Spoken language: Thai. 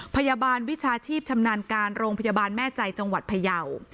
พยาบาลวิชาชีพชำนาญการโรงพยาบาลแม่ใจจังหวัดพยาว